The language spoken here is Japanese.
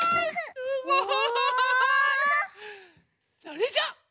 それじゃあ。